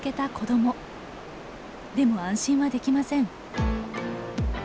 でも安心はできません。